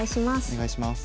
お願いします。